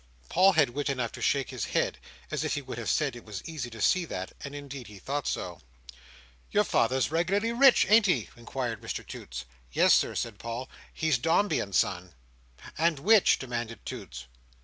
Paul had wit enough to shake his head, as if he would have said it was easy to see that; and indeed he thought so. "Your father's regularly rich, ain't he?" inquired Mr Toots. "Yes, Sir," said Paul. "He's Dombey and Son." "And which?" demanded Toots.